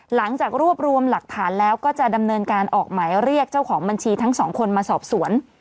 หลังจากรวบรวมหลักฐานแล้วก็จะดำเนินการออกหมายเรียกเจ้าของบัญชีทั้งสองคนมาสอบสวน